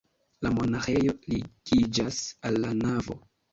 La monaĥejo ligiĝas al la navo.